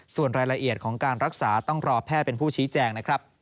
ส่วนรายละเอียดของการรักษาต้องรอแพทย์เป็นผู้ชี้แจงนะครับ